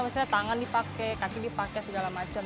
maksudnya tangan dipakai kaki dipakai segala macam